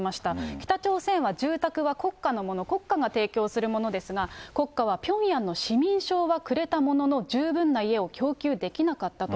北朝鮮は住宅は国家のもの、国家が提供するものですが、国家はピョンヤンの市民証はくれたものの、十分な家を供給できなかったと。